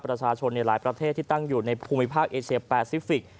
ประชาชนในหลายประเทศที่ตั้งอยู่ในภูมิภาคเอเชียแปซิฟิกส